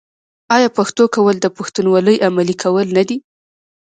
آیا پښتو کول د پښتونولۍ عملي کول نه دي؟